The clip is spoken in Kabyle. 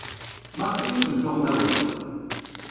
Maɣef ay asen-tuɣem awal?